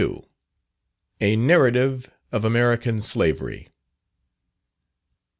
_A Narrative of American Slavery.